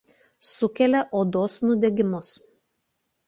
Sukelia odos nudegimus.